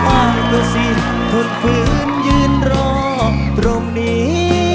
อ้ายก็สิทธิ์ทนพื้นยืนรอตรงนี้